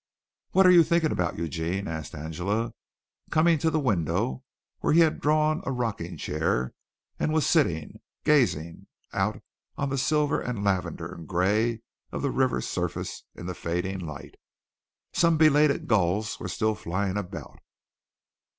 "What are you thinking about, Eugene?" asked Angela, coming to the window where he had drawn a rocking chair and was sitting gazing out on the silver and lavender and gray of the river surface in the fading light. Some belated gulls were still flying about.